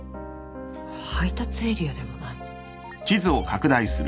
配達エリアでもない。